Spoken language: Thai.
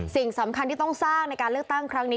สิ่งสำคัญที่ต้องสร้างในการเลือกตั้งครั้งนี้